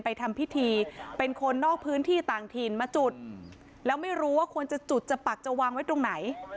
ทำพิธีเป็นคนนอกพื้นที่ต่างถิ่นมาจุดแล้วไม่รู้ว่าควรจะจุดจะปักจะวางไว้ตรงไหน